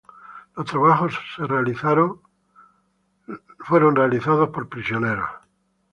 Los trabajos fueron realizados por prisioneros.